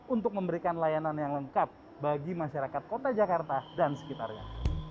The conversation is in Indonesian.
untuk memberikan layanan yang lengkap bagi masyarakat kota jakarta dan sekitarnya